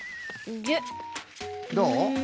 どう？